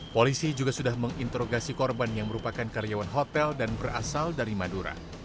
polisi juga sudah menginterogasi korban yang merupakan karyawan hotel dan berasal dari madura